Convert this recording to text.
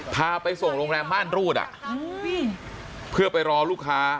พาไปส่งโรงแรมม่านรูดเพื่อไปรอลูกค้า